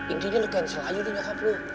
intinya lu cancel aja ke nyokap lu